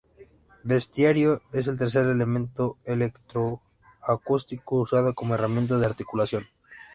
Bestiario es el tercer elemento electroacústico usado como herramienta de articulación.